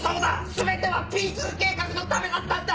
全てはＰ２計画のためだったんだ！